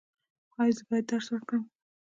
ایا زه باید درس ورکړم؟